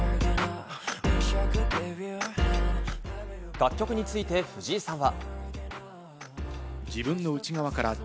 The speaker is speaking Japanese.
楽曲について藤井さんは。